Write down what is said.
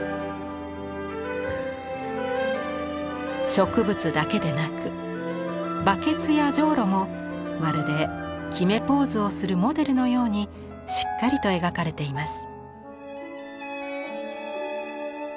植物だけでなくバケツやジョウロもまるで決めポーズをするモデルのようにしっかりと描かれています。